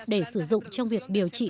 để sử dụng trong việc điều trị